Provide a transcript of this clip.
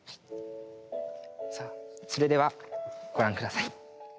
さあそれではご覧下さい。